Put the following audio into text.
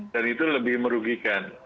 dan itu lebih merugikan